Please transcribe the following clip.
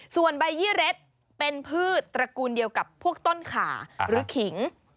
ส่วนใบยี่เร็ดเป็นพืชตระกูลเดียวกับพวกต้นขาหรือขิง